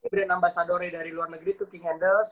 brand ambassador dari luar negeri tuh king handels